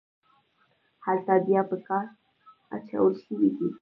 هلته بیا په کار اچول شوي دي.